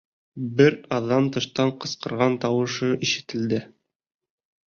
Бер аҙҙан тыштан ҡысҡырған тауышы ишетелде.